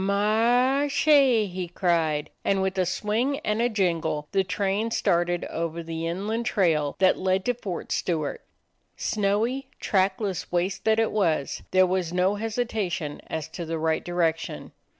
"Mar r r che!" he cried, and with a swing and a jingle the train started over the inland trail that led to Fort Stewart. Snowy, track less waste that it was, there was no hesitation as to the right direction.